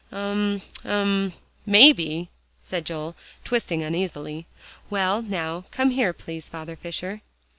"Um um maybe," said Joel, twisting uneasily. "Well, now, come here, please, Father Fisher."